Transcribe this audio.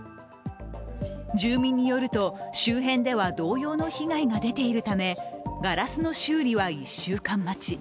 住民によると、周辺では同様の被害が出ているため、ガラスの修理は１週間待ち。